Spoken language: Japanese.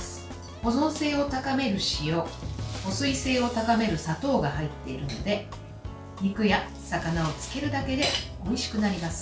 保存性を高める塩保水性を高める砂糖が入っているので肉や魚をつけるだけでおいしくなります。